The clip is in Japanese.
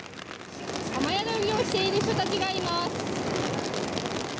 雨宿りをしている人たちがいます。